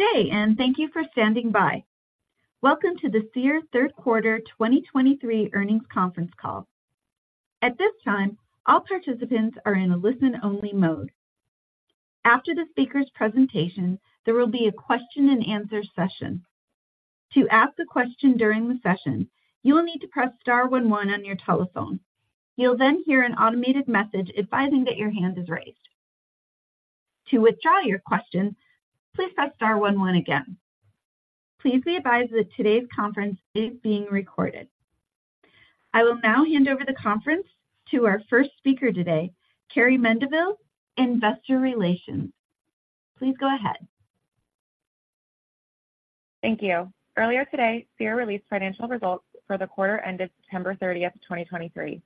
Good day, and thank you for standing by. Welcome to the Seer third quarter 2023 earnings conference call. At this time, all participants are in a listen-only mode. After the speaker's presentation, there will be a question and answer session. To ask a question during the session, you will need to press star one one on your telephone. You'll then hear an automated message advising that your hand is raised. To withdraw your question, please press star one one again. Please be advised that today's conference is being recorded. I will now hand over the conference to our first speaker today, Carrie Mendivil, Investor Relations. Please go ahead. Thank you. Earlier today, Seer released financial results for the quarter ended September 30th, 2023.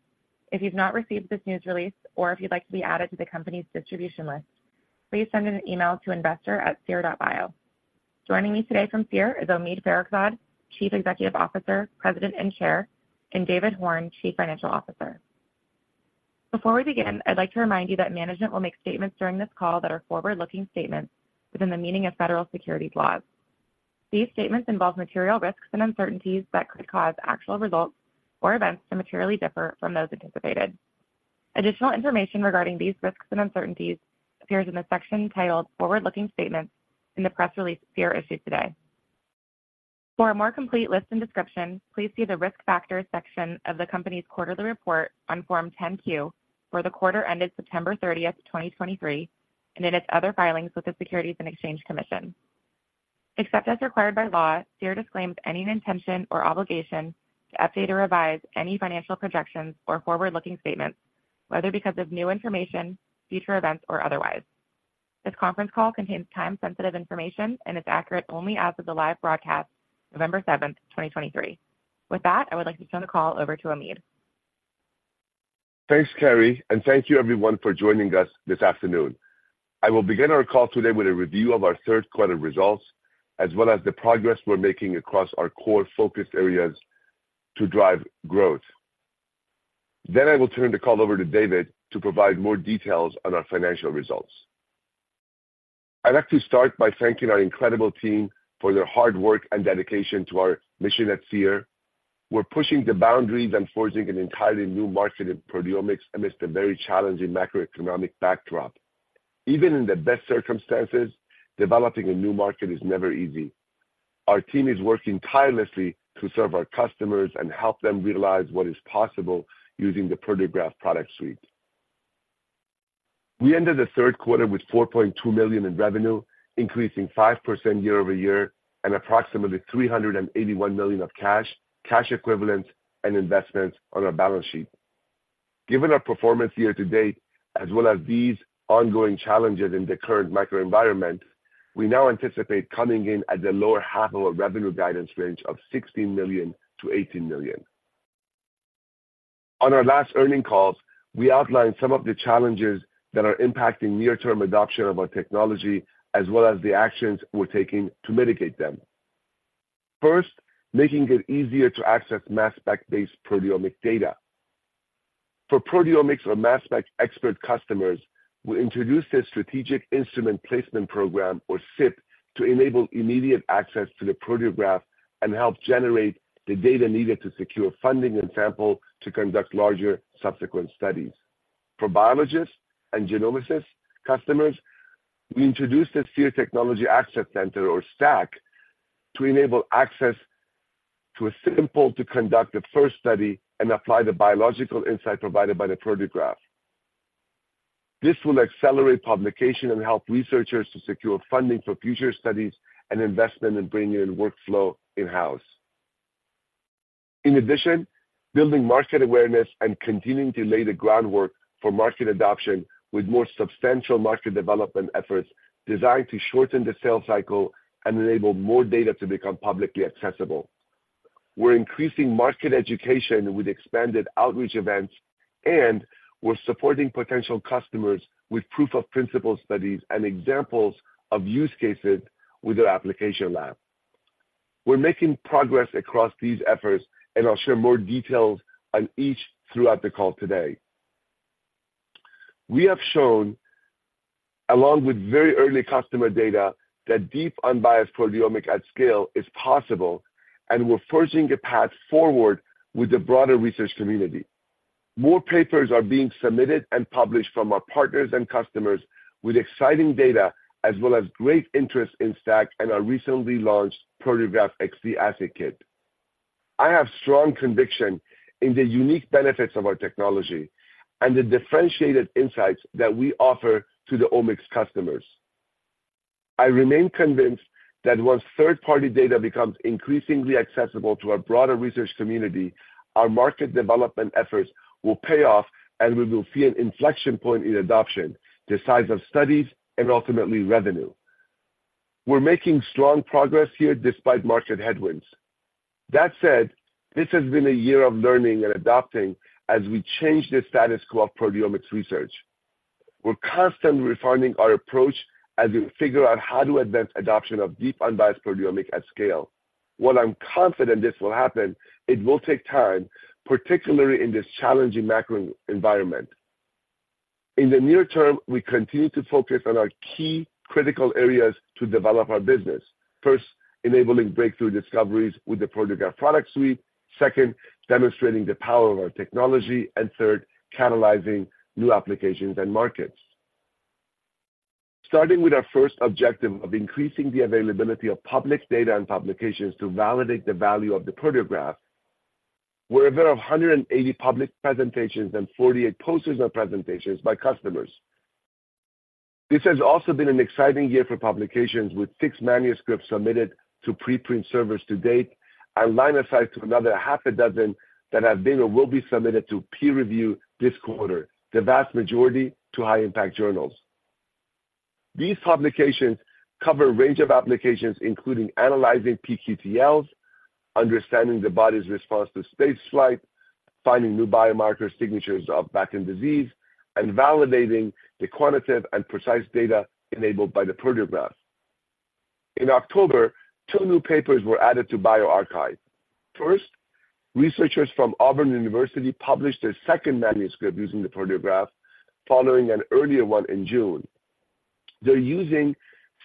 If you've not received this news release or if you'd like to be added to the company's distribution list, please send an email to investor@seer.bio. Joining me today from Seer is Omid Farokhzad, Chief Executive Officer, President, and Chair, and David Horn, Chief Financial Officer. Before we begin, I'd like to remind you that management will make statements during this call that are forward-looking statements within the meaning of federal securities laws. These statements involve material risks and uncertainties that could cause actual results or events to materially differ from those anticipated. Additional information regarding these risks and uncertainties appears in the section titled Forward-Looking Statements in the press release Seer issued today. For a more complete list and description, please see the Risk Factors section of the company's quarterly report on Form 10-Q for the quarter ended September 30, 2023, and in its other filings with the Securities and Exchange Commission. Except as required by law, Seer disclaims any intention or obligation to update or revise any financial projections or forward-looking statements, whether because of new information, future events, or otherwise. This conference call contains time-sensitive information and is accurate only as of the live broadcast, November 7, 2023. With that, I would like to turn the call over to Omid. Thanks, Carrie, and thank you everyone for joining us this afternoon. I will begin our call today with a review of our third quarter results, as well as the progress we're making across our core focus areas to drive growth. Then I will turn the call over to David to provide more details on our financial results. I'd like to start by thanking our incredible team for their hard work and dedication to our mission at Seer. We're pushing the boundaries and forging an entirely new market in proteomics amidst a very challenging macroeconomic backdrop. Even in the best circumstances, developing a new market is never easy. Our team is working tirelessly to serve our customers and help them realize what is possible using the Proteograph Product Suite. We ended the third quarter with $4.2 million in revenue, increasing 5% year-over-year, and approximately $381 million of cash, cash equivalents, and investments on our balance sheet. Given our performance year to date, as well as these ongoing challenges in the current microenvironment, we now anticipate coming in at the lower half of our revenue guidance range of $16 million-$18 million. On our last earnings calls, we outlined some of the challenges that are impacting near-term adoption of our technology, as well as the actions we're taking to mitigate them. First, making it easier to access mass spec-based proteomic data. For proteomics or mass spec expert customers, we introduced a Strategic Instrument Placement program, or SIP, to enable immediate access to the Proteograph and help generate the data needed to secure funding and sample to conduct larger subsequent studies. For biologists and genomicists customers, we introduced a Seer Technology Access Center, or STAC, to enable access to a simple to conduct the first study and apply the biological insight provided by the Proteograph. This will accelerate publication and help researchers to secure funding for future studies and investment in bringing in workflow in-house. In addition, building market awareness and continuing to lay the groundwork for market adoption with more substantial market development efforts designed to shorten the sales cycle and enable more data to become publicly accessible. We're increasing market education with expanded outreach events, and we're supporting potential customers with proof of principle studies and examples of use cases with their application lab. We're making progress across these efforts, and I'll share more details on each throughout the call today. We have shown, along with very early customer data, that deep, unbiased proteomic at scale is possible, and we're forging a path forward with the broader research community. More papers are being submitted and published from our partners and customers with exciting data as well as great interest in STAC and our recently launched Proteograph XT Assay Kit. I have strong conviction in the unique benefits of our technology and the differentiated insights that we offer to the omics customers. I remain convinced that once third-party data becomes increasingly accessible to our broader research community, our market development efforts will pay off, and we will see an inflection point in adoption, the size of studies, and ultimately revenue. We're making strong progress here despite market headwinds. That said, this has been a year of learning and adapting as we change the status quo of proteomics research. We're constantly refining our approach as we figure out how to advance adoption of deep, unbiased proteomics at scale. While I'm confident this will happen, it will take time, particularly in this challenging macro environment. In the near term, we continue to focus on our key critical areas to develop our business. First, enabling breakthrough discoveries with the Proteograph Product Suite. Second, demonstrating the power of our technology. And third, catalyzing new applications and markets. Starting with our first objective of increasing the availability of public data and publications to validate the value of the Proteograph, we're aware of 180 public presentations and 48 posters and presentations by customers. This has also been an exciting year for publications, with 6 manuscripts submitted to preprint servers to date, and line of sight to another 6 that have been or will be submitted to peer review this quarter, the vast majority to high-impact journals. These publications cover a range of applications, including analyzing pQTLs, understanding the body's response to space flight, finding new biomarker signatures of bacterial disease, and validating the quantitative and precise data enabled by the Proteograph. In October, 2 new papers were added to bioRxiv. First, researchers from Auburn University published their second manuscript using the Proteograph, following an earlier one in June. They're using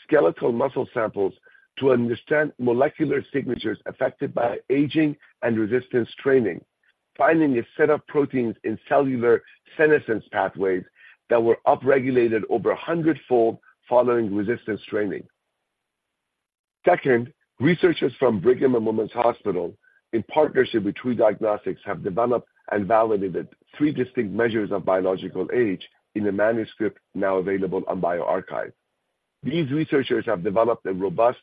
skeletal muscle samples to understand molecular signatures affected by aging and resistance training, finding a set of proteins in cellular senescence pathways that were upregulated over 100-fold following resistance training. Second, researchers from Brigham and Women's Hospital, in partnership with True Diagnostics, have developed and validated three distinct measures of biological age in a manuscript now available on bioRxiv. These researchers have developed a robust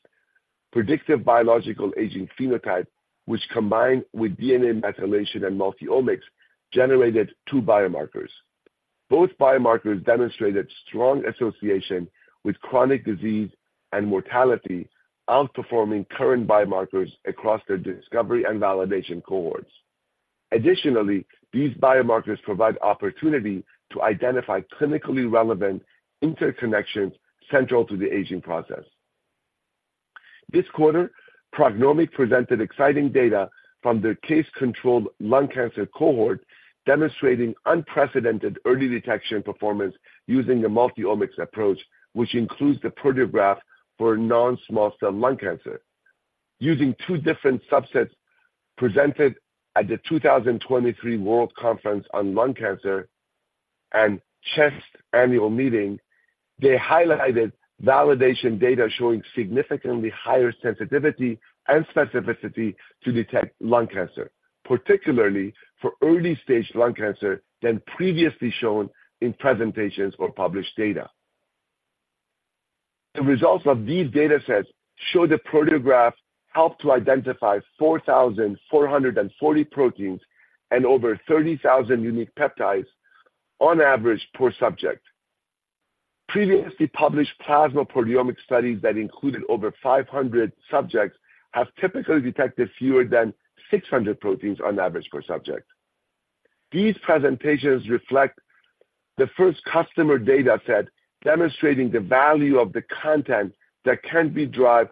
predictive biological aging phenotype, which, combined with DNA methylation and multi-omics, generated two biomarkers. Both biomarkers demonstrated strong association with chronic disease and mortality, outperforming current biomarkers across their discovery and validation cohorts. Additionally, these biomarkers provide opportunity to identify clinically relevant interconnections central to the aging process. This quarter, PrognomiQ presented exciting data from their case-controlled lung cancer cohort, demonstrating unprecedented early detection performance using a multi-omics approach, which includes the Proteograph for non-small cell lung cancer. Using two different subsets presented at the 2023 World Conference on Lung Cancer and CHEST Annual Meeting, they highlighted validation data showing significantly higher sensitivity and specificity to detect lung cancer, particularly for early-stage lung cancer, than previously shown in presentations or published data. The results of these datasets show the Proteograph helped to identify 4,440 proteins and over 30,000 unique peptides on average per subject. Previously published plasma proteomic studies that included over 500 subjects have typically detected fewer than 600 proteins on average per subject. These presentations reflect the first customer dataset, demonstrating the value of the content that can be derived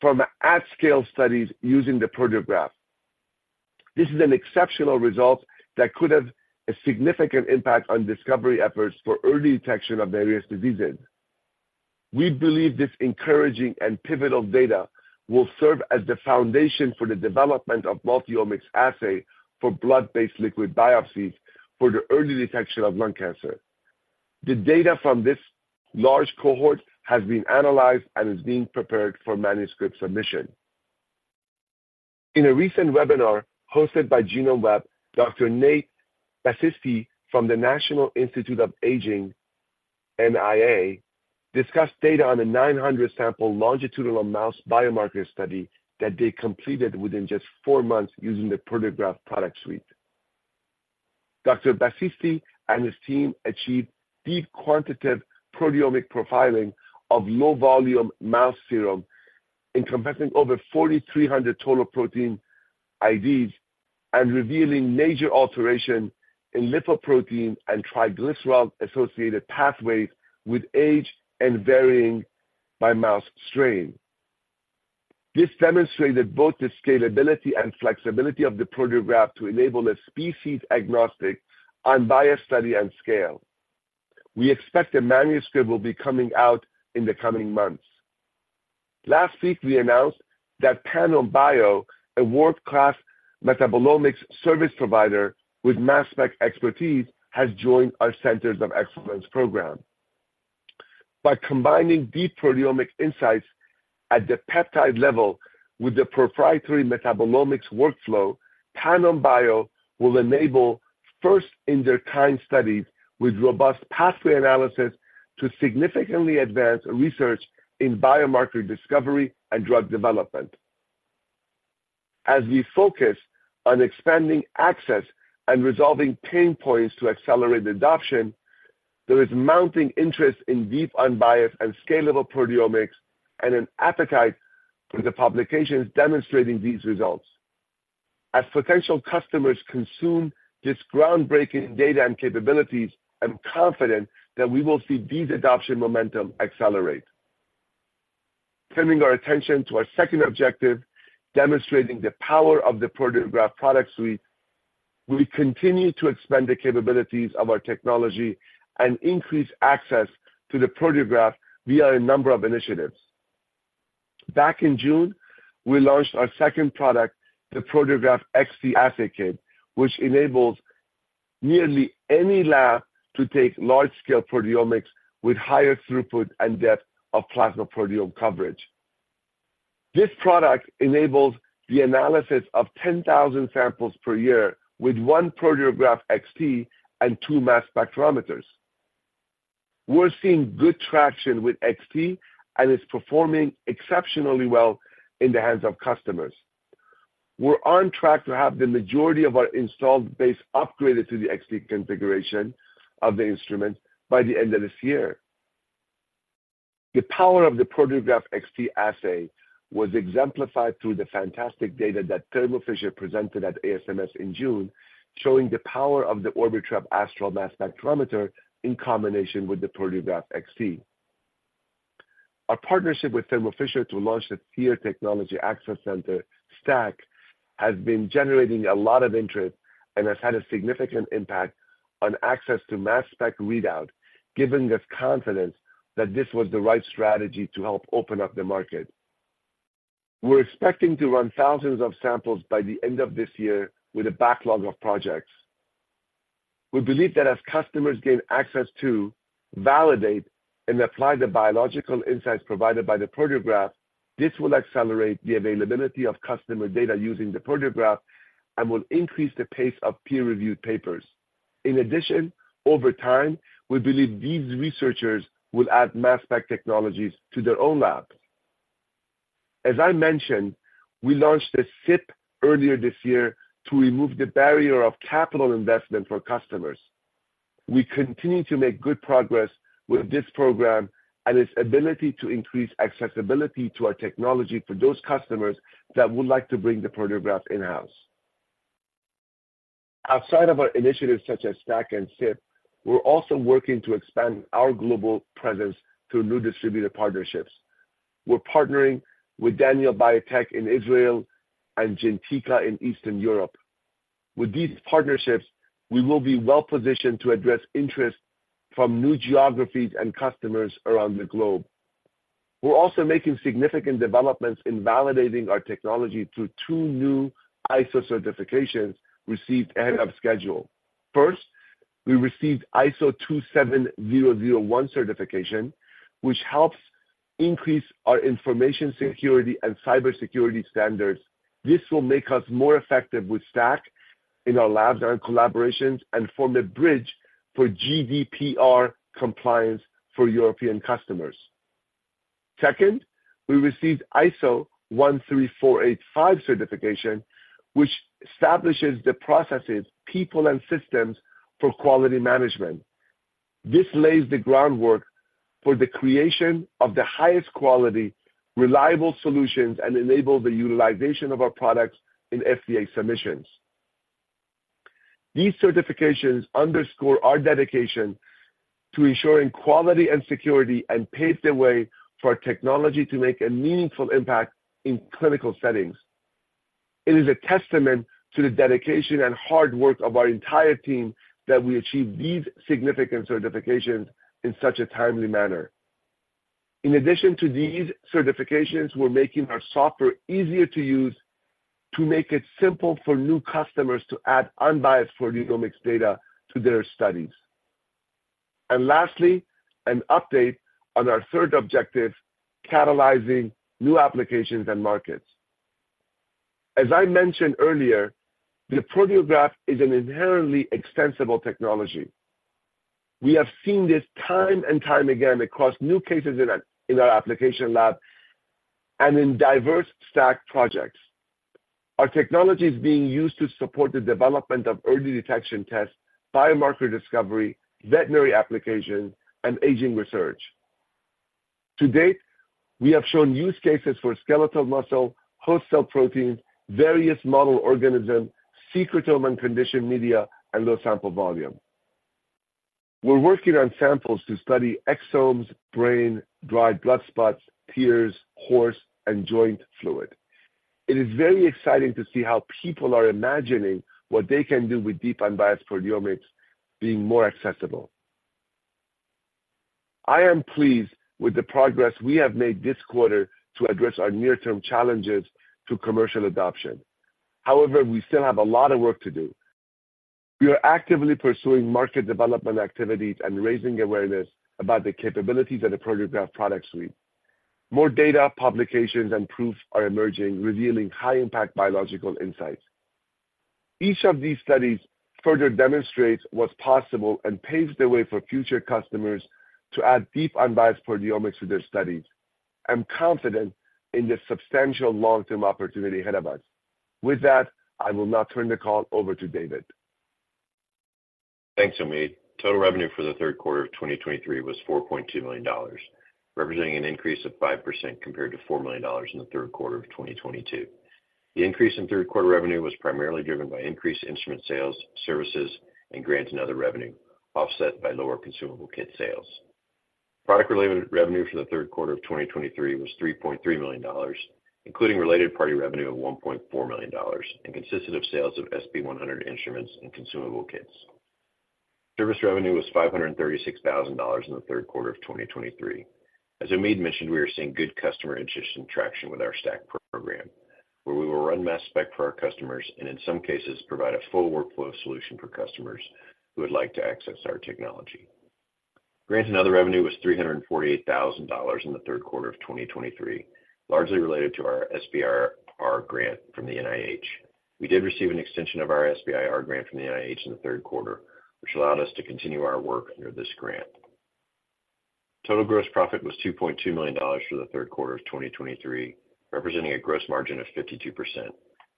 from at-scale studies using the Proteograph. This is an exceptional result that could have a significant impact on discovery efforts for early detection of various diseases. We believe this encouraging and pivotal data will serve as the foundation for the development of multi-omics assay for blood-based liquid biopsies for the early detection of lung cancer. The data from this large cohort has been analyzed and is being prepared for manuscript submission. In a recent webinar hosted by GenomeWeb, Dr. Nathan Basisty from the National Institute on Aging, NIA, discussed data on a 900-sample longitudinal mouse biomarker study that they completed within just 4 months using the Proteograph Product Suite. Dr. Basisty and his team achieved deep quantitative proteomic profiling of low-volume mouse serum, encompassing over 4,300 total protein IDs and revealing major alteration in lipoprotein and triglyceride-associated pathways with age and varying by mouse strain. This demonstrated both the scalability and flexibility of the Proteograph to enable a species-agnostic, unbiased study and scale. We expect a manuscript will be coming out in the coming months. Last week, we announced that Panome Bio, a world-class metabolomics service provider with mass spec expertise, has joined our Centers of Excellence program. By combining deep proteomic insights at the peptide level with the proprietary metabolomics workflow, Panome Bio will enable first-of-their-kind studies with robust pathway analysis to significantly advance research in biomarker discovery and drug development. As we focus on expanding access and resolving pain points to accelerate adoption, there is mounting interest in deep, unbiased, and scalable proteomics and an appetite for the publications demonstrating these results. As potential customers consume this groundbreaking data and capabilities, I'm confident that we will see this adoption momentum accelerate.... Turning our attention to our second objective, demonstrating the power of the Proteograph Product Suite, we continue to expand the capabilities of our technology and increase access to the Proteograph via a number of initiatives. Back in June, we launched our second product, the Proteograph XT Assay Kit, which enables nearly any lab to take large-scale proteomics with higher throughput and depth of plasma proteome coverage. This product enables the analysis of 10,000 samples per year with one Proteograph XT and two mass spectrometers. We're seeing good traction with XT, and it's performing exceptionally well in the hands of customers. We're on track to have the majority of our installed base upgraded to the XT configuration of the instrument by the end of this year. The power of the Proteograph XT Assay was exemplified through the fantastic data that Thermo Fisher presented at ASMS in June, showing the power of the Orbitrap Astral mass spectrometer in combination with the Proteograph XT. Our partnership with Thermo Fisher to launch the Seer Technology Access Center, STAC, has been generating a lot of interest and has had a significant impact on access to mass spec readout, giving us confidence that this was the right strategy to help open up the market. We're expecting to run thousands of samples by the end of this year with a backlog of projects. We believe that as customers gain access to, validate, and apply the biological insights provided by the Proteograph, this will accelerate the availability of customer data using the Proteograph and will increase the pace of peer-reviewed papers. In addition, over time, we believe these researchers will add mass spec technologies to their own labs. As I mentioned, we launched a SIP earlier this year to remove the barrier of capital investment for customers. We continue to make good progress with this program and its ability to increase accessibility to our technology for those customers that would like to bring the Proteograph in-house. Outside of our initiatives, such as STAC and SIP, we're also working to expand our global presence through new distributor partnerships. We're partnering with Daniel Biotech in Israel and Geneteka in Eastern Europe. With these partnerships, we will be well positioned to address interest from new geographies and customers around the globe. We're also making significant developments in validating our technology through two new ISO certifications received ahead of schedule. First, we received ISO 27001 certification, which helps increase our information security and cybersecurity standards. This will make us more effective with STAC in our labs and collaborations and form a bridge for GDPR compliance for European customers. Second, we received ISO 13485 certification, which establishes the processes, people, and systems for quality management. This lays the groundwork for the creation of the highest quality, reliable solutions, and enable the utilization of our products in FDA submissions. These certifications underscore our dedication to ensuring quality and security, and paves the way for our technology to make a meaningful impact in clinical settings. It is a testament to the dedication and hard work of our entire team that we achieve these significant certifications in such a timely manner. In addition to these certifications, we're making our software easier to use to make it simple for new customers to add unbiased proteomics data to their studies. Lastly, an update on our third objective, catalyzing new applications and markets. As I mentioned earlier, the Proteograph is an inherently extensible technology. We have seen this time and time again across new cases in our application lab and in diverse STAC projects. Our technology is being used to support the development of early detection tests, biomarker discovery, veterinary application, and aging research. To date, we have shown use cases for skeletal muscle, host cell proteins, various model organisms, secretome and conditioned media, and low sample volume. We're working on samples to study exosomes, brain, dried blood spots, tears, horse, and joint fluid. It is very exciting to see how people are imagining what they can do with deep unbiased proteomics being more accessible. I am pleased with the progress we have made this quarter to address our near-term challenges to commercial adoption. However, we still have a lot of work to do. We are actively pursuing market development activities and raising awareness about the capabilities of the Proteograph Product Suite. More data, publications, and proofs are emerging, revealing high-impact biological insights. Each of these studies further demonstrates what's possible and paves the way for future customers to add deep, unbiased proteomics to their studies. I'm confident in the substantial long-term opportunity ahead of us. With that, I will now turn the call over to David. Thanks, Omid. Total revenue for the third quarter of 2023 was $4.2 million, representing an increase of 5% compared to $4 million in the third quarter of 2022.... The increase in third quarter revenue was primarily driven by increased instrument sales, services, and grants and other revenue, offset by lower consumable kit sales. Product-related revenue for the third quarter of 2023 was $3.3 million, including related party revenue of $1.4 million, and consisted of sales of SP100 instruments and consumable kits. Service revenue was $536 thousand in the third quarter of 2023. As Omid mentioned, we are seeing good customer interest and traction with our STAC program, where we will run mass spec for our customers and, in some cases, provide a full workflow solution for customers who would like to access our technology. Grants and other revenue was $348,000 in the third quarter of 2023, largely related to our SBIR grant from the NIH. We did receive an extension of our SBIR grant from the NIH in the third quarter, which allowed us to continue our work under this grant. Total gross profit was $2.2 million for the third quarter of 2023, representing a gross margin of 52%,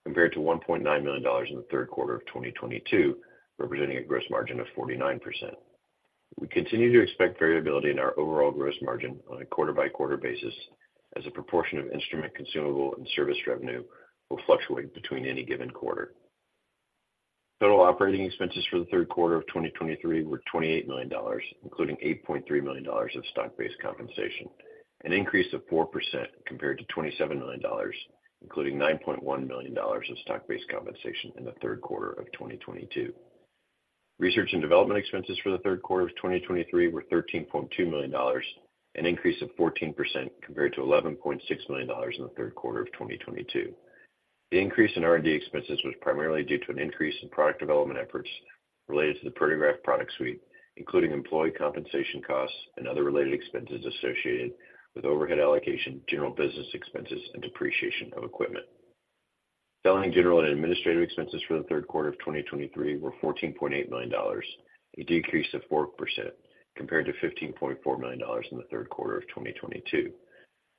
compared to $1.9 million in the third quarter of 2022, representing a gross margin of 49%. We continue to expect variability in our overall gross margin on a quarter-by-quarter basis as a proportion of instrument, consumable, and service revenue will fluctuate between any given quarter. Total operating expenses for the third quarter of 2023 were $28 million, including $8.3 million of stock-based compensation, an increase of 4% compared to $27 million, including $9.1 million of stock-based compensation in the third quarter of 2022. Research and development expenses for the third quarter of 2023 were $13.2 million, an increase of 14% compared to $11.6 million in the third quarter of 2022. The increase in R&D expenses was primarily due to an increase in product development efforts related to the Proteograph Product Suite, including employee compensation costs and other related expenses associated with overhead allocation, general business expenses, and depreciation of equipment. Selling, general, and administrative expenses for the third quarter of 2023 were $14.8 million, a decrease of 4% compared to $15.4 million in the third quarter of 2022.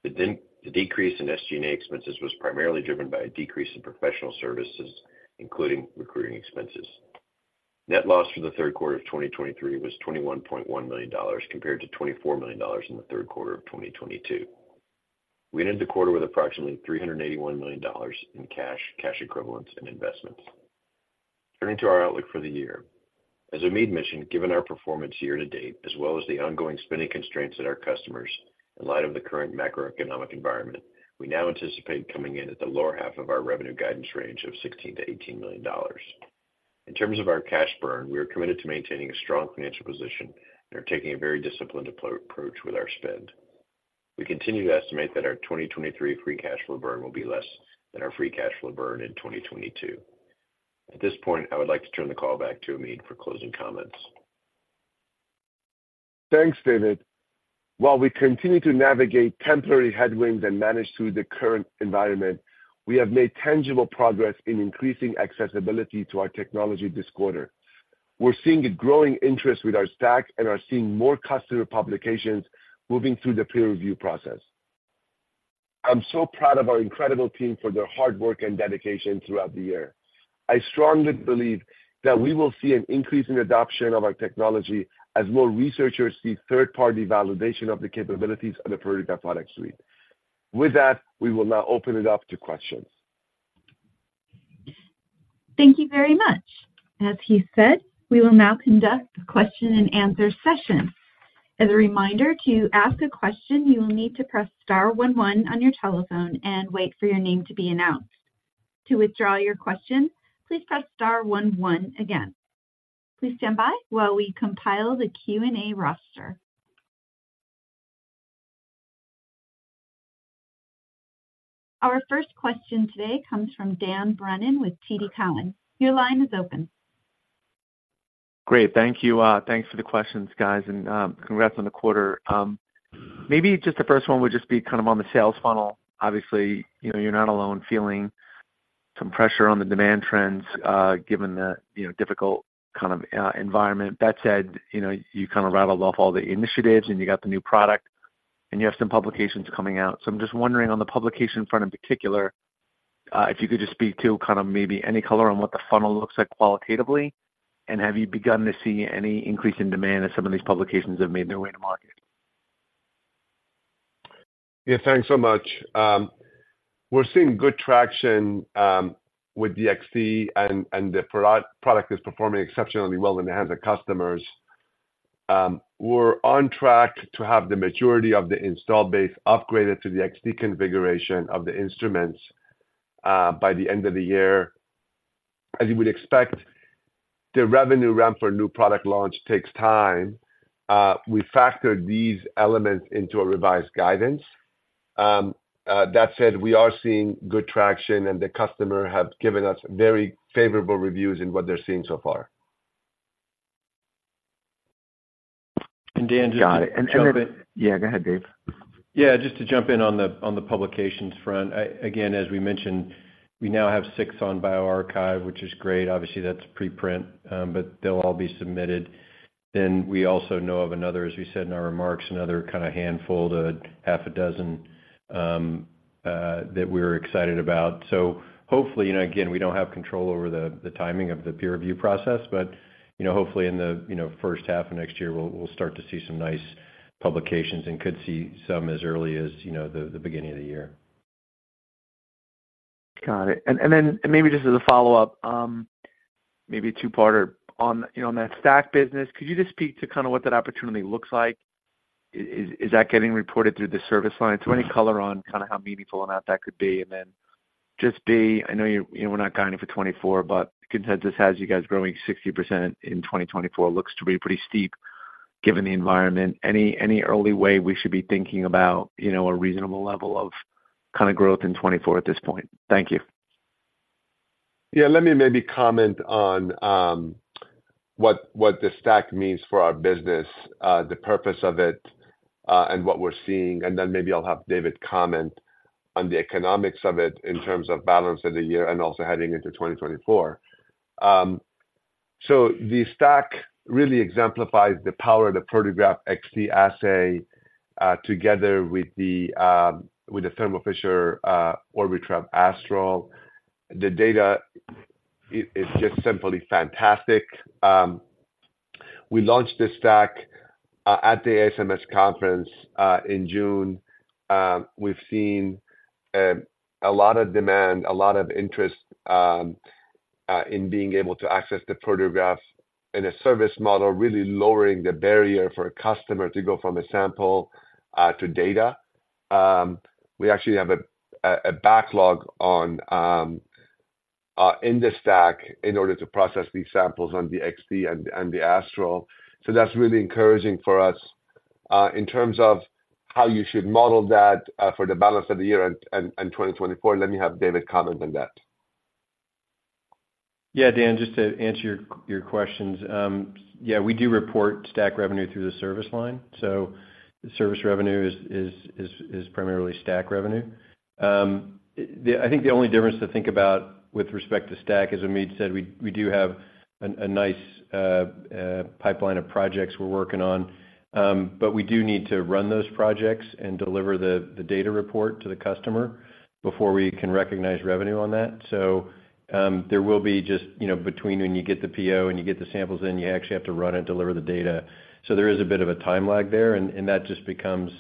The decrease in SG&A expenses was primarily driven by a decrease in professional services, including recruiting expenses. Net loss for the third quarter of 2023 was $21.1 million, compared to $24 million in the third quarter of 2022. We ended the quarter with approximately $381 million in cash, cash equivalents and investments. Turning to our outlook for the year. As Omid mentioned, given our performance year to date, as well as the ongoing spending constraints at our customers in light of the current macroeconomic environment, we now anticipate coming in at the lower half of our revenue guidance range of $16 million-$18 million. In terms of our cash burn, we are committed to maintaining a strong financial position and are taking a very disciplined approach with our spend. We continue to estimate that our 2023 free cash flow burn will be less than our free cash flow burn in 2022. At this point, I would like to turn the call back to Omid for closing comments. Thanks, David. While we continue to navigate temporary headwinds and manage through the current environment, we have made tangible progress in increasing accessibility to our technology this quarter. We're seeing a growing interest with our STAC and are seeing more customer publications moving through the peer review process. I'm so proud of our incredible team for their hard work and dedication throughout the year. I strongly believe that we will see an increase in adoption of our technology, as more researchers see third-party validation of the capabilities of the Proteograph Product Suite. With that, we will now open it up to questions. Thank you very much. As he said, we will now conduct the question-and-answer session. As a reminder, to ask a question, you will need to press star one one on your telephone and wait for your name to be announced. To withdraw your question, please press star one one again. Please stand by while we compile the Q&A roster. Our first question today comes from Dan Brennan with TD Cowen. Your line is open. Great, thank you. Thanks for the questions, guys, and congrats on the quarter. Maybe just the first one would just be kind of on the sales funnel. Obviously, you know, you're not alone feeling some pressure on the demand trends, given the, you know, difficult kind of environment. That said, you know, you kind of rattled off all the initiatives, and you have some publications coming out. So I'm just wondering, on the publication front in particular, if you could just speak to kind of maybe any color on what the funnel looks like qualitatively, and have you begun to see any increase in demand as some of these publications have made their way to market? Yeah, thanks so much. We're seeing good traction with the XT, and the product is performing exceptionally well and it has the customers. We're on track to have the majority of the install base upgraded to the XT configuration of the instruments by the end of the year. As you would expect, the revenue ramp for a new product launch takes time. We factored these elements into a revised guidance. That said, we are seeing good traction, and the customer have given us very favorable reviews in what they're seeing so far. And Dan, just- Got it. Yeah, go ahead, Dave. Yeah, just to jump in on the publications front, again, as we mentioned, we now have six on bioRxiv, which is great. Obviously, that's preprint, but they'll all be submitted. Then we also know of another, as we said in our remarks, another kind of handful to half a dozen that we're excited about. So hopefully, and again, we don't have control over the timing of the peer review process, but you know, hopefully in the first half of next year, we'll start to see some nice publications and could see some as early as the beginning of the year. Got it. And then, maybe just as a follow-up, maybe a two-parter on, you know, on that STAC business, could you just speak to kind of what that opportunity looks like? Is that getting reported through the service line? So any color on kind of how meaningful or not that could be, and then, I know you know, we're not guiding for 2024, but consensus has you guys growing 60% in 2024. Looks to be pretty steep, given the environment. Any early way we should be thinking about, you know, a reasonable level of kind of growth in 2024 at this point? Thank you. Yeah, let me maybe comment on what the STAC means for our business, the purpose of it, and what we're seeing, and then maybe I'll have David comment on the economics of it in terms of balance of the year and also heading into 2024. So the STAC really exemplifies the power of the Proteograph XT assay together with the Thermo Fisher Orbitrap Astral. The data is just simply fantastic. We launched the STAC at the ASMS conference in June. We've seen a lot of demand, a lot of interest in being able to access the Proteograph in a service model, really lowering the barrier for a customer to go from a sample to data. We actually have a backlog in the STAC in order to process these samples on the XT and the Astral. So that's really encouraging for us. In terms of how you should model that, for the balance of the year and 2024, let me have David comment on that. Yeah, Dan, just to answer your questions. Yeah, we do report STAC revenue through the service line, so service revenue is primarily STAC revenue. I think the only difference to think about with respect to STAC, as Omid said, we do have a nice pipeline of projects we're working on. But we do need to run those projects and deliver the data report to the customer before we can recognize revenue on that. So, there will be just, you know, between when you get the PO and you get the samples in, you actually have to run and deliver the data. So there is a bit of a time lag there, and that just becomes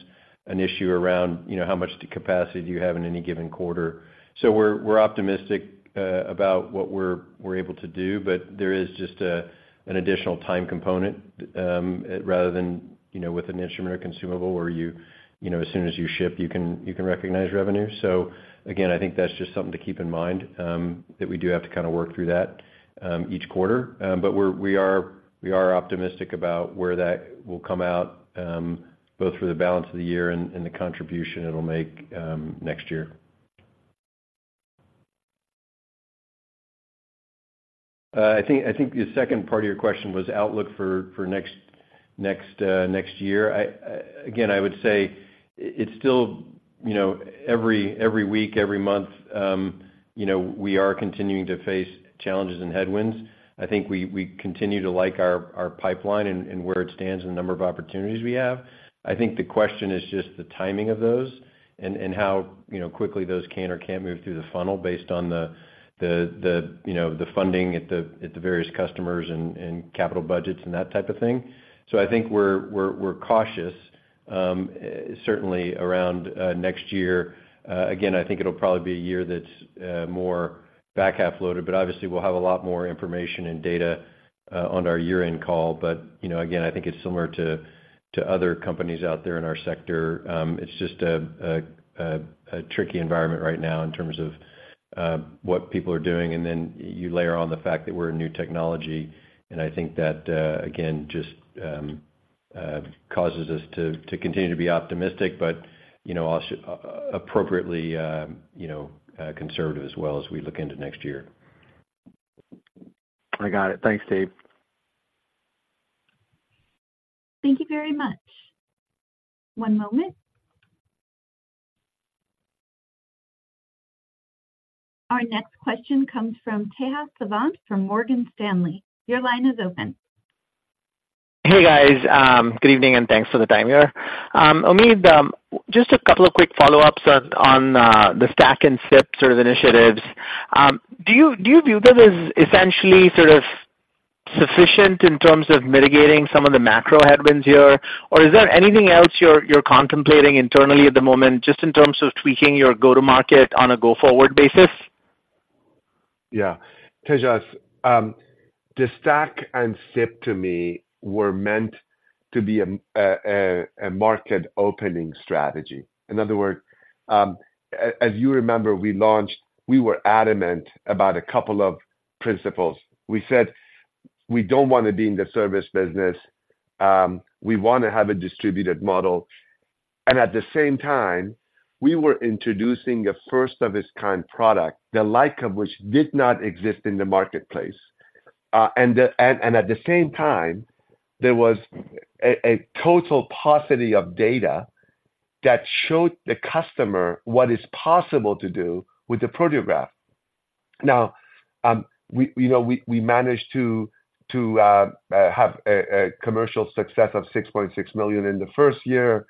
an issue around, you know, how much capacity do you have in any given quarter. So we're optimistic about what we're able to do, but there is just an additional time component, rather than, you know, with an instrument or consumable where you know, as soon as you ship, you can recognize revenue. So again, I think that's just something to keep in mind, that we do have to kind of work through that, each quarter. But we are optimistic about where that will come out, both for the balance of the year and the contribution it'll make, next year. I think the second part of your question was outlook for next year. I again would say it's still, you know, every week, every month, you know, we are continuing to face challenges and headwinds. I think we continue to like our pipeline and where it stands and the number of opportunities we have. I think the question is just the timing of those and how, you know, quickly those can or can't move through the funnel based on the, you know, the funding at the various customers and capital budgets and that type of thing. So I think we're cautious certainly around next year. Again, I think it'll probably be a year that's more back half loaded, but obviously, we'll have a lot more information and data on our year-end call. But, you know, again, I think it's similar to other companies out there in our sector. It's just a tricky environment right now in terms of what people are doing, and then you layer on the fact that we're a new technology, and I think that again just causes us to continue to be optimistic, but you know, also appropriately, you know, conservative as well as we look into next year. I got it. Thanks, Dave. Thank you very much. One moment. Our next question comes from Tejas Savant, from Morgan Stanley. Your line is open. Hey, guys, good evening, and thanks for the time here. Omid, just a couple of quick follow-ups on the STAC and SIP sort of initiatives. Do you view this as essentially sort of sufficient in terms of mitigating some of the macro headwinds here? Or is there anything else you're contemplating internally at the moment, just in terms of tweaking your go-to-market on a go-forward basis? Yeah. Tejas, the STAC and SIP, to me, were meant to be a market opening strategy. In other words, as you remember, we launched. We were adamant about a couple of principles. We said: We don't want to be in the service business, we want to have a distributed model. And at the same time, we were introducing a first-of-its-kind product, the like of which did not exist in the marketplace. And at the same time, there was a total paucity of data that showed the customer what is possible to do with the Proteograph. Now, we, you know, we managed to have a commercial success of $6.6 million in the first year.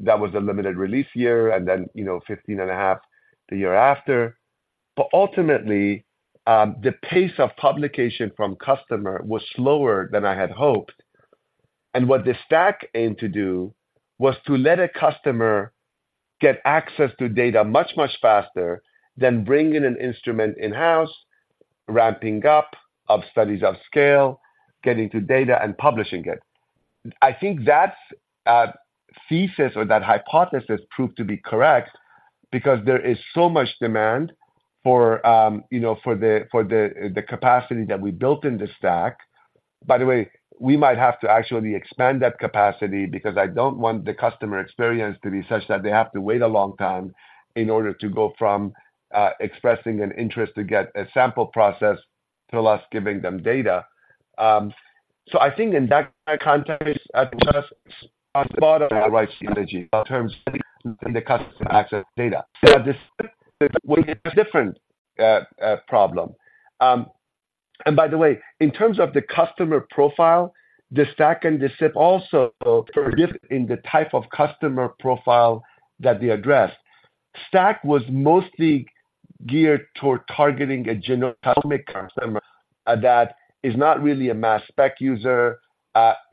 That was a limited release year, and then, you know, $15.5 million the year after. But ultimately, the pace of publication from customer was slower than I had hoped. And what the STAC aimed to do was to let a customer get access to data much, much faster than bringing an instrument in-house, ramping up of studies of scale, getting to data, and publishing it. I think that's thesis or that hypothesis proved to be correct because there is so much demand for, you know, for the, for the capacity that we built in the STAC. By the way, we might have to actually expand that capacity because I don't want the customer experience to be such that they have to wait a long time in order to go from expressing an interest to get a sample process to us giving them data. So I think in that context, I think we are spot on the right strategy in terms of the customer access data. So this is a different problem. And by the way, in terms of the customer profile, the STAC and the SIP also differ in the type of customer profile that they address. STAC was mostly geared toward targeting a genomic customer that is not really a mass spec user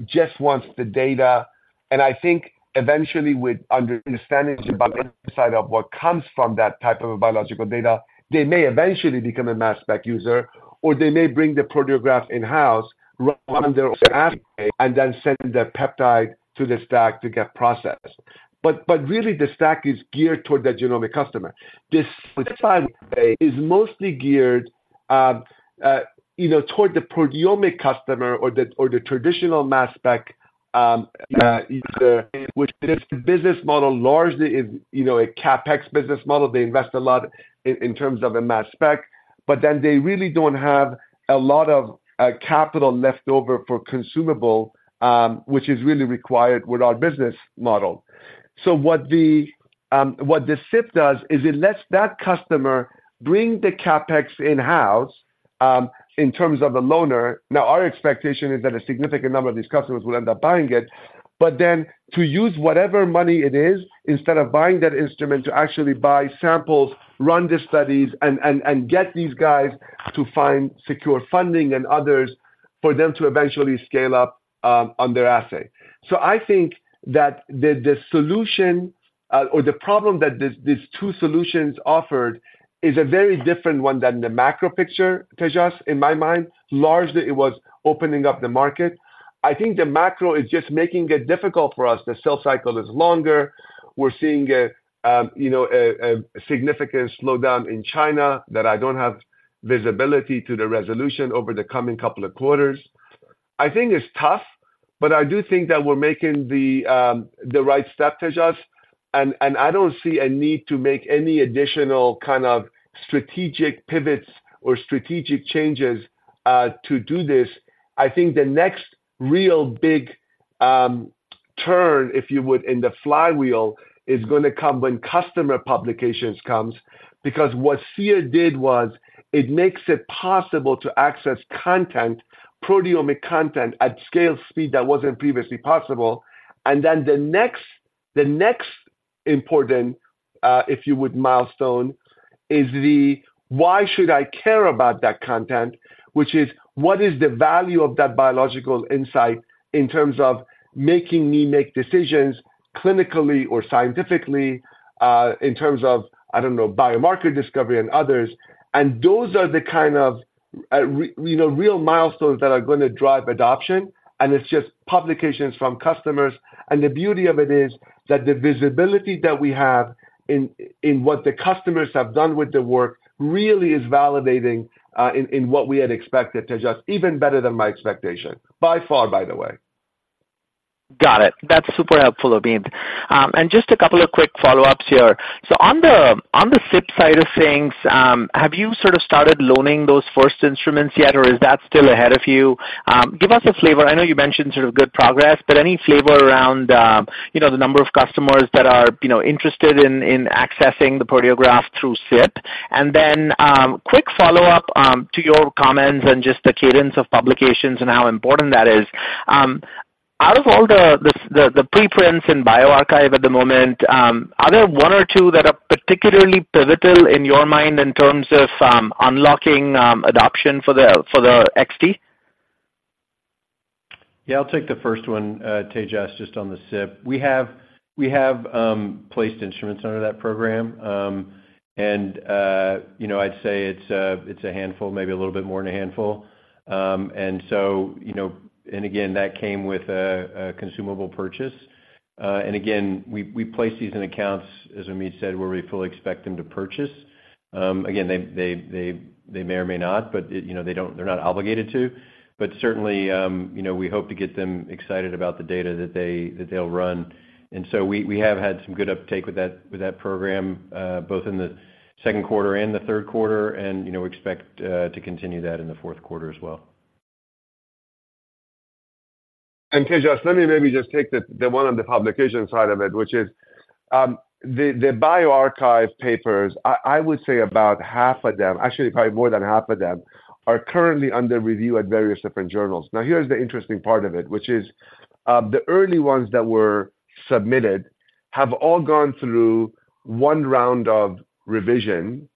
just wants the data. And I think eventually with understanding about inside of what comes from that type of a biological data, they may eventually become a mass spec user, or they may bring the Proteograph in-house on their, and then send the peptide to the STAC to get processed. But really, the STAC is geared toward the genomic customer. This time is mostly geared, you know, toward the proteomic customer or the, or the traditional mass spec, user, which the business model largely is, you know, a CapEx business model. They invest a lot in, in terms of a mass spec, but then they really don't have a lot of, capital left over for consumable, which is really required with our business model. So what the, what the SIP does is it lets that customer bring the CapEx in-house, in terms of a loaner. Now, our expectation is that a significant number of these customers will end up buying it, but then to use whatever money it is, instead of buying that instrument, to actually buy samples, run the studies, and get these guys to find secure funding and others for them to eventually scale up on their assay. So I think that the solution or the problem that these two solutions offered is a very different one than the macro picture, Tejas, in my mind. Largely, it was opening up the market. I think the macro is just making it difficult for us. The sales cycle is longer. We're seeing you know, a significant slowdown in China that I don't have visibility to the resolution over the coming couple of quarters. I think it's tough, but I do think that we're making the right step, Tejas, and I don't see a need to make any additional kind of strategic pivots or strategic changes to do this. I think the next real big turn, if you would, in the flywheel, is gonna come when customer publications comes, because what Seer did was it makes it possible to access content, proteomic content at scale speed that wasn't previously possible. And then the next important, if you would, milestone is the why should I care about that content? Which is, what is the value of that biological insight in terms of making me make decisions clinically or scientifically, in terms of, I don't know, biomarker discovery and others. Those are the kind of, you know, real milestones that are gonna drive adoption, and it's just publications from customers. The beauty of it is that the visibility that we have in what the customers have done with the work really is validating in what we had expected, Tejas, even better than my expectation. By far, by the way. Got it. That's super helpful, Omid. And just a couple of quick follow-ups here. So on the SIP side of things, have you sort of started loaning those first instruments yet, or is that still ahead of you? Give us a flavor. I know you mentioned sort of good progress, but any flavor around, you know, the number of customers that are, you know, interested in accessing the Proteograph through SIP? And then, quick follow-up, to your comments and just the cadence of publications and how important that is. Out of all the preprints in bioRxiv at the moment, are there one or two that are particularly pivotal in your mind in terms of unlocking adoption for the XT? Yeah, I'll take the first one, Tejas, just on the SIP. We have, we have, placed instruments under that program. And, you know, I'd say it's a, it's a handful, maybe a little bit more than a handful. And so, you know... And again, that came with a, a consumable purchase. And again, we, we place these in accounts, as Omid said, where we fully expect them to purchase. Again, they, they, they, they may or may not, but, you know, they don't—they're not obligated to. But certainly, you know, we hope to get them excited about the data that they, that they'll run. And so we have had some good uptake with that program, both in the second quarter and the third quarter, and, you know, we expect to continue that in the fourth quarter as well. Tejas, let me maybe just take the one on the publication side of it, which is the bioRxiv papers. I would say about half of them, actually, probably more than half of them, are currently under review at various different journals. Now, here's the interesting part of it, which is the early ones that were submitted have all gone through one round of revision.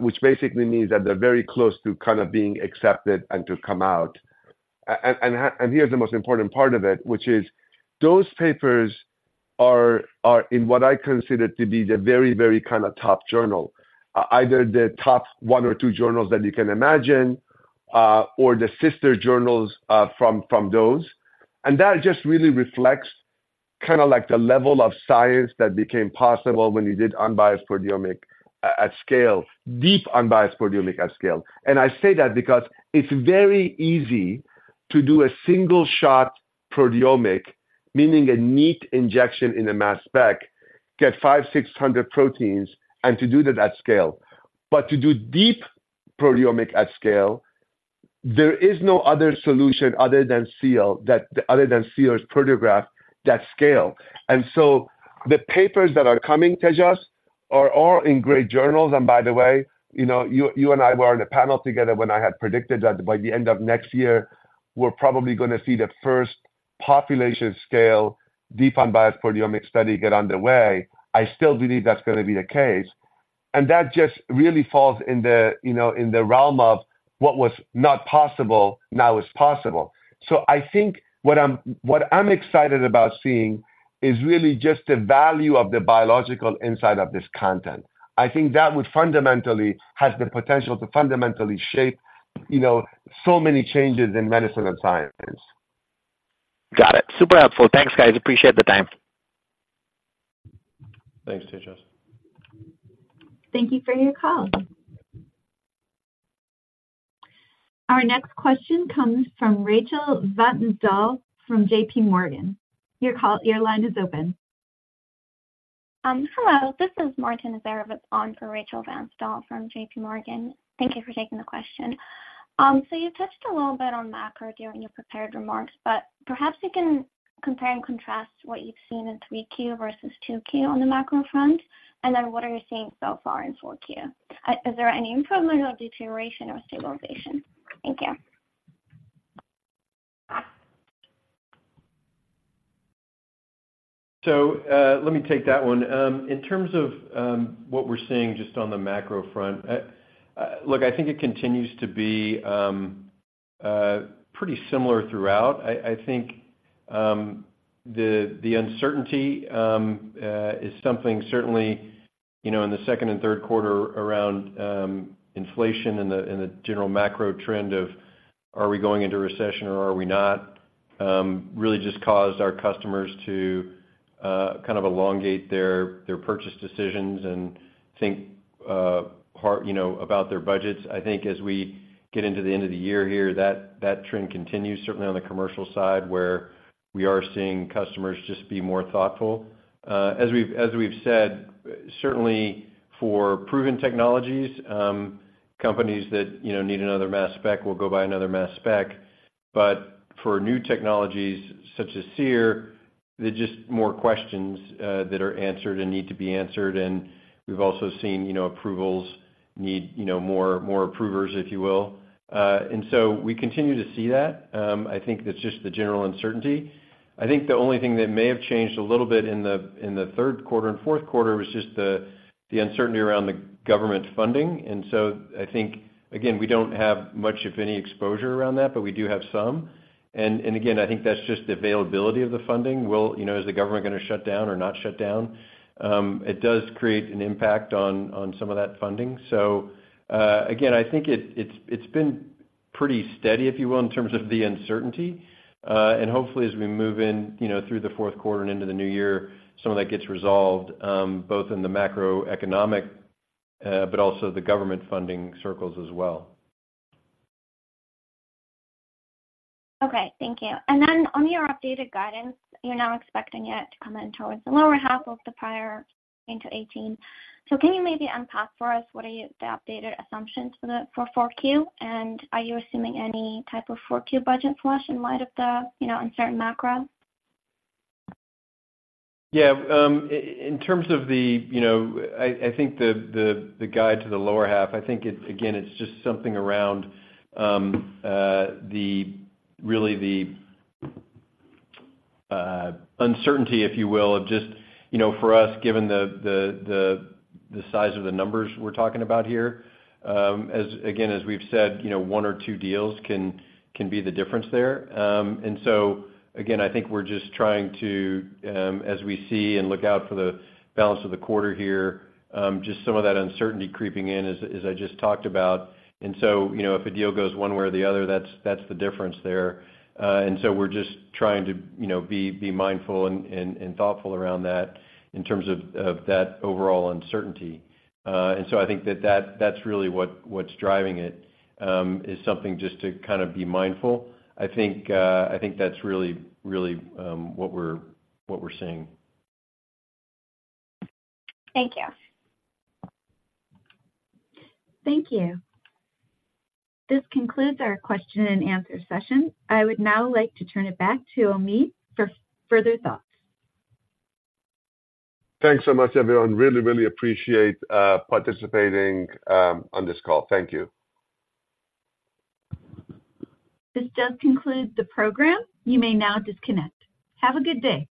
which basically means that they're very close to kind of being accepted and to come out. And here's the most important part of it, which is those papers are in what I consider to be the very, very kind of top journal. Either the top one or two journals that you can imagine, or the sister journals from those. And that just really reflects kinda like the level of science that became possible when you did unbiased proteomics at scale, deep unbiased proteomics at scale. And I say that because it's very easy to do a single shot proteomics, meaning a neat injection in a mass spec, get 500-600 proteins, and to do that at scale. But to do deep proteomics at scale, there is no other solution other than Seer, other than Seer's Proteograph, at scale. And so the papers that are coming to us are all in great journals. And by the way, you know, you, you and I were on a panel together when I had predicted that by the end of next year, we're probably gonna see the first population scale, deep unbiased proteomic study get underway. I still believe that's gonna be the case, and that just really falls in the, you know, in the realm of what was not possible, now is possible. So I think what I'm, what I'm excited about seeing is really just the value of the biological insight of this content. I think that would fundamentally, has the potential to fundamentally shape, you know, so many changes in medicine and science. Got it. Super helpful. Thanks, guys. Appreciate the time. Thanks, Tejas. Thank you for your call. Our next question comes from Rachel Vatnsdal from JPMorgan. Your line is open. Hello, this is Marta Nazarovets on for Rachel Vatnsdal from JPMorgan. Thank you for taking the question. So you touched a little bit on macro during your prepared remarks, but perhaps you can compare and contrast what you've seen in 3Q versus 2Q on the macro front, and then what are you seeing so far in 4Q? Is there any improvement or deterioration or stabilization? Thank you. So, let me take that one. In terms of what we're seeing just on the macro front, look, I think it continues to be pretty similar throughout. I think the uncertainty is something certainly, you know, in the second and third quarter around inflation and the general macro trend of, are we going into recession or are we not? Really just caused our customers to kind of elongate their purchase decisions and think, you know, about their budgets. I think as we get into the end of the year here, that trend continues, certainly on the commercial side, where we are seeing customers just be more thoughtful. As we've, as we've said, certainly for proven technologies, companies that, you know, need another mass spec will go buy another mass spec. But for new technologies such as Seer, they're just more questions that are answered and need to be answered. And we've also seen, you know, approvals need, you know, more, more approvers, if you will. And so we continue to see that. I think that's just the general uncertainty. I think the only thing that may have changed a little bit in the third quarter and fourth quarter was just the uncertainty around the government funding. And so I think, again, we don't have much, if any, exposure around that, but we do have some. And, again, I think that's just the availability of the funding. Well, you know, is the government gonna shut down or not shut down? It does create an impact on some of that funding. So, again, I think it's been pretty steady, if you will, in terms of the uncertainty. And hopefully, as we move in, you know, through the fourth quarter and into the new year, some of that gets resolved, both in the macroeconomic, but also the government funding circles as well. Okay, thank you. And then on your updated guidance, you're now expecting it to come in towards the lower half of the prior into 18. So can you maybe unpack for us what are the updated assumptions for the 4Q? And are you assuming any type of 4Q budget flush in light of the, you know, uncertain macro? Yeah, in terms of the, you know. I think the guide to the lower half. I think it's, again, it's just something around, really, the uncertainty, if you will, of just, you know, for us, given the size of the numbers we're talking about here. As again, as we've said, you know, one or two deals can be the difference there. And so again, I think we're just trying to, as we see and look out for the balance of the quarter here, just some of that uncertainty creeping in, as I just talked about. And so, you know, if a deal goes one way or the other, that's the difference there. And so we're just trying to, you know, be mindful and thoughtful around that in terms of that overall uncertainty. And so I think that that's really what's driving it is something just to kind of be mindful. I think that's really what we're seeing. Thank you. Thank you. This concludes our question and answer session. I would now like to turn it back to Omid for further thoughts. Thanks so much, everyone. Really, really appreciate participating on this call. Thank you. This does conclude the program. You may now disconnect. Have a good day.